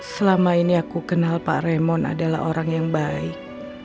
selama ini aku kenal pak remon adalah orang yang baik